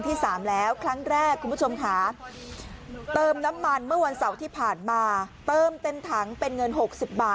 ตัำกระบบเติมน้ำมันเมื่อวันเสาร์ที่ผ่านมา